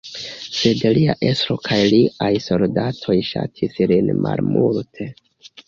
Sed lia estro kaj liaj soldatoj ŝatis lin malmulte.